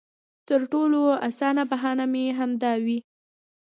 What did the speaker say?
تر ټولو اسانه بهانه به مې همدا وي.